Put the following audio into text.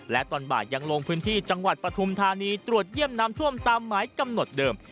และตอนบ่ายยังลงพื้นที่จังหวัดปฐุมธานีตรวจเยี่ยมน้ำท่วมตามหมายกำหนดเดิม